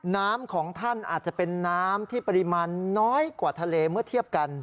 น้ำของท่านอาจจะเป็นน้ำที่ปริมาณน้อยกว่าทะเลเมื่อเทียบกัน